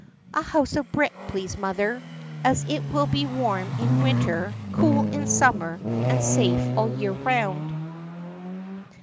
"A house of brick, please, mother, as it will be warm in winter, cool in summer, and safe all the year round."